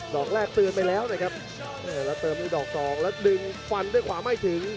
อกแรกเตือนไปแล้วนะครับแล้วเติมด้วยดอกสองแล้วดึงฟันด้วยขวาไม่ถึง